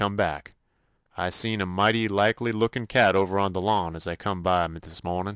when yo' come back; I seen a mighty likely lookin' cat over on de lawn as I come by dis mawnin'."